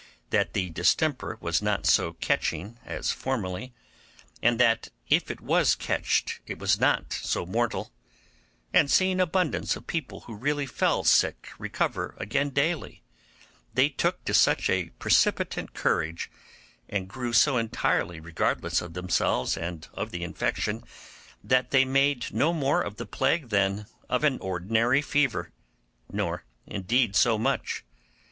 that the distemper was not so catching as formerly, and that if it was catched it was not so mortal, and seeing abundance of people who really fell sick recover again daily, they took to such a precipitant courage, and grew so entirely regardless of themselves and of the infection, that they made no more of the plague than of an ordinary fever, nor indeed so much.